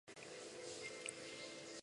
毛脉孩儿参为石竹科孩儿参属的植物。